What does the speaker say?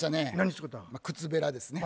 靴べらですね。